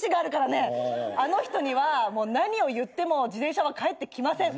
あの人にはもう何を言っても自転車は返ってきません。